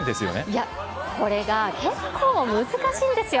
いや、これが結構難しいんですよ。